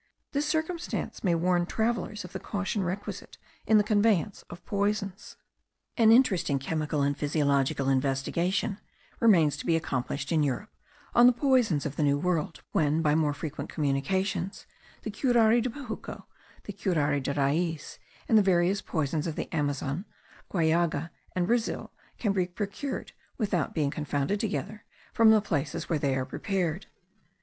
This circumstance may warn travellers of the caution requisite in the conveyance of poisons. An interesting chemical and physiological investigation remains to be accomplished in Europe on the poisons of the New World, when, by more frequent communications, the curare de bejuco, the curare de raiz, and the various poisons of the Amazon, Guallaga, and Brazil, can be procured, without being confounded together, from the places where they are prepared.